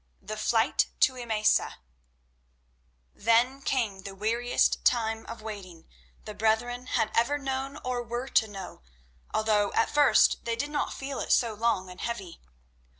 The Flight to Emesa Then came the weariest time of waiting the brethren had ever known, or were to know, although at first they did not feel it so long and heavy.